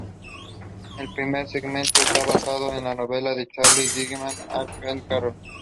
El primer segmento está basado en la novela de Charles Dickens, A Christmas Carol.